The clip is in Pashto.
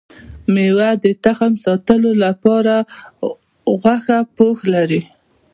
ميوه د تخم ساتلو لپاره غوښه پوښ لري